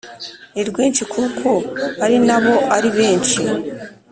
ni rwinshi kuko ari nabo ari benshi